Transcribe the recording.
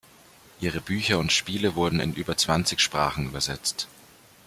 Ihre Bücher und Spiele wurden in über zwanzig Sprachen übersetzt.